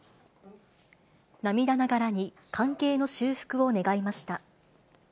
涙ながらに関係の修復を願いました。